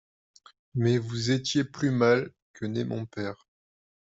Mais vous étiez plus mal que n'est mon père.